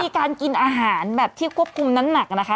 การกินอาหารแบบที่ควบคุมน้ำหนักนะคะ